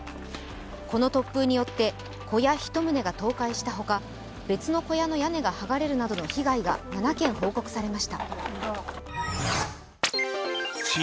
この突風によって小屋１棟が倒壊したほか別の小屋の屋根がはがれるなどの被害が７件報告されました。